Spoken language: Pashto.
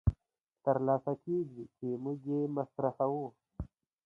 تر لاسه کېږي چې موږ یې مصرفوو